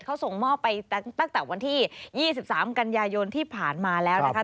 เขาส่งมอบไปตั้งแต่วันที่๒๓กันยายนที่ผ่านมาแล้วนะคะ